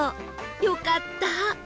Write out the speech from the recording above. よかった！